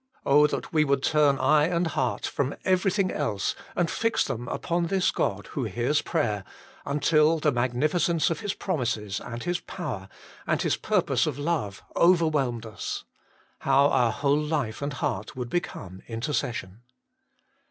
Oh, that we would turn eye and heart from everything else and fix them upon this God who hears prayer, until the magnificence of His promises, and His power, and His purpose of love overwhelmed us ! How our whole life and heart would become intercession.